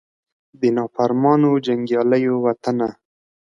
د نافرمانه جنګیالو وطنه